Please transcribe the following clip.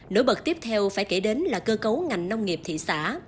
nổi bật tiếp theo phải kể đến là cơ cấu ngành nông nghiệp thị xã